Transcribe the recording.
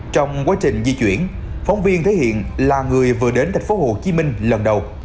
trong quá trình di chuyển phóng viên thể hiện là người vừa đến thành phố hồ chí minh lần đầu